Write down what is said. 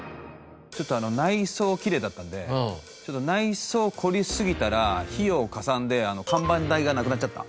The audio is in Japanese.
内装きれいだったんで内装を凝りすぎたら費用がかさんで看板代がなくなっちゃった。